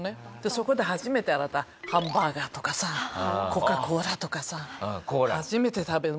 そこで初めてあなたハンバーガーとかさコカ・コーラとかさ初めて食べる。